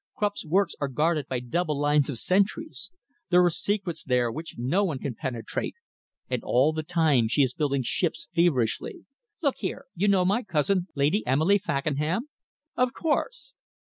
Krupp's works are guarded by double lines of sentries. There are secrets there which no one can penetrate. And all the time she is building ships feverishly. Look here you know my cousin, Lady Emily Fakenham?" "Of course!"